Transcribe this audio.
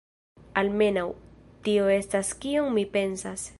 Almenaŭ, tio estas kion mi pensas.